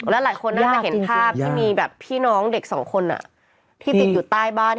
แล้วหลายคนน่าจะเห็นภาพที่มีแบบพี่น้องเด็กสองคนที่ติดอยู่ใต้บ้าน